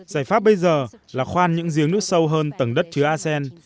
giải pháp bây giờ là khoan những giếng nước sâu hơn tầng đất chứa acen